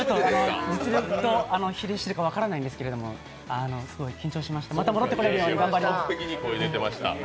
実力と比例しているか分からないんですけど、すごい緊張しました、また戻ってこれるように頑張ります。